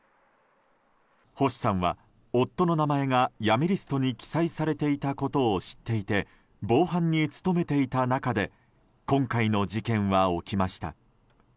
星さんは、夫の名前が闇リストに記載されていたことを知っていて防犯に努めていた中で今回の事件は起きました。